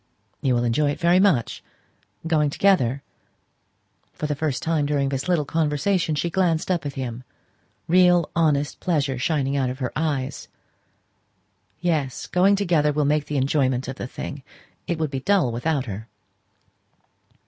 "You will enjoy it very much going together?" For the first time during this little conversation she glanced up at him real honest pleasure shining out of her eyes. "Yes; going together will make the enjoyment of the thing. It would be dull without her."